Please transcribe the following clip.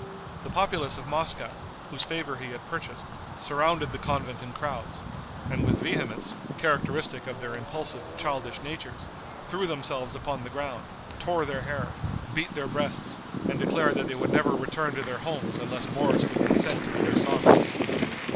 The populace of Moscow, whose favor he had purchased, surrounded the convent in crowds, and with vehemence, characteristic of their impulsive, childish natures, threw themselves upon the ground, tore their hair, beat their breasts, and declared that they would never return to their homes unless Boris would consent to be their sovereign.